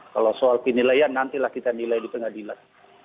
kalau soal penilaian nantilah kita nilai di pengadilan